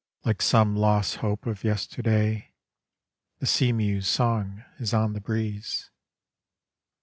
Like some lost hope of yesterday. The eea mew's song is on the breeze.